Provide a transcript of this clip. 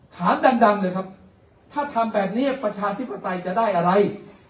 ถามดังเลยครับถ้าทำแบบนี้ประชาธิปไตยจะได้อะไร